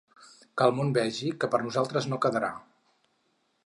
Que el món vegi que per nosaltres no quedarà.